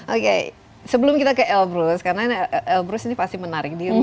oke sebelum kita ke elbrus karena elbrus ini pasti menarik di rusia dan dingin